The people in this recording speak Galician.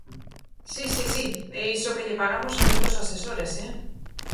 Si, si, si, ¡e iso que lle pagamos a moitos asesores, eh!